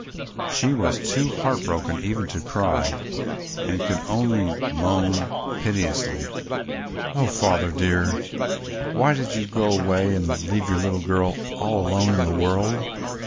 She was too heartbroken even to cry and could only moan piteously, "Oh, Father dear, why did you go away and leave your little girl all alone in the world?"